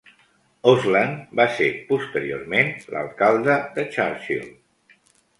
Osland va ser posteriorment l'alcalde de Churchill.